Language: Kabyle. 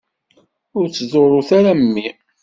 Ur ttḍurrut ara mmi!